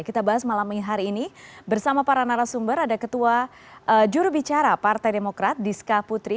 kita bahas malam ini hari ini bersama para narasumber ada ketua jurubicara partai demokrat diska putri